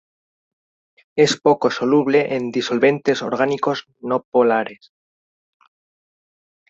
Es poco soluble en disolventes orgánicos no polares.